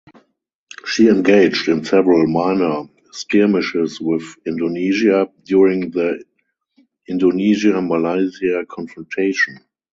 She engaged in several minor skirmishes with Indonesia during the Indonesia–Malaysia confrontation.